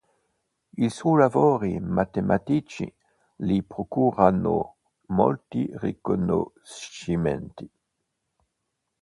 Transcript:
I suoi lavori matematici gli procurarono molti riconoscimenti.